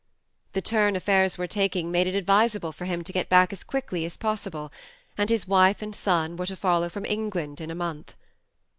The turn affairs were taking made it advisable for him to get back as quickly as possible, and his wife and son were to follow from England in a month.